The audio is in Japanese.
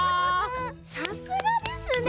さすがですねえ。